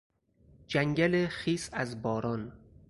جنگل خیس از باران